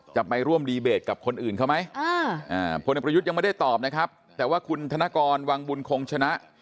จะไปร่วมดีเบตกับคนอื่นเขาไหมพลเอกประยุทธ์ยังไม่ได้ตอบนะครับแต่ว่าคุณธนกรวังบุญคงชนะ